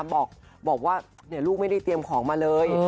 บอกว่าลูกไม่ได้เตรียมของมาเลย